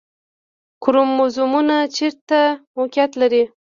کروموزومونه چیرته موقعیت لري؟